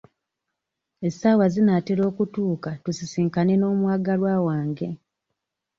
Essaawa zinaatera okutuuka tusisinkane n'omwagalwa wange.